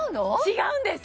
違うんです！